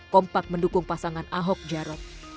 kompak mendukung pasangan ahok jarot